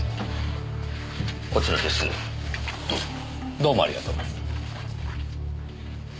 どうもありがとう。